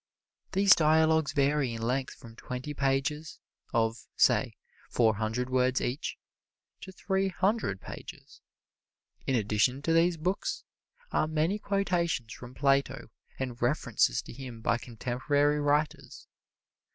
These dialogues vary in length from twenty pages, of, say, four hundred words each, to three hundred pages. In addition to these books are many quotations from Plato and references to him by contemporary writers.